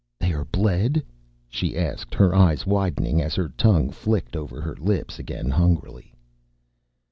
"They are bled?" she asked, her eyes widening as her tongue flicked over her lips again hungrily.